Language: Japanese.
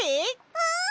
うん！